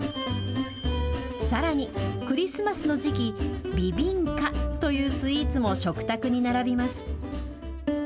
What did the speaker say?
さらにクリスマスの時期、ビビンカというスイーツも食卓に並びます。